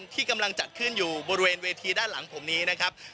ที่กำลังจัดขึ้นอยู่บริเวณเวทีด้านหลังผมนี้นะครับ